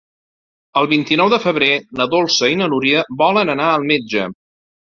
El vint-i-nou de febrer na Dolça i na Núria volen anar al metge.